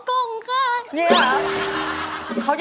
ตุ๋นอะไรครับ